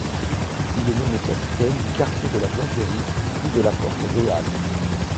Il est nommé capitaine du quartier de la Blanquerie, puis de la porte Réale.